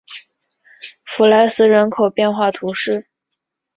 弗赖斯人口变化图示